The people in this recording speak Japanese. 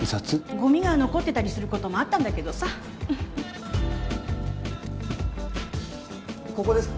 ゴミが残ってたりすることもあったんだけどさここですか？